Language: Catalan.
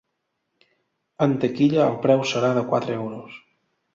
En taquilla el preu serà de quatre euros.